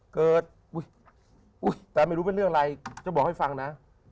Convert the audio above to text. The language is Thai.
เกิดอุ๊ยแต่ไม่รู้เป็นเรื่องอะไรจะบอกให้ฟังนะ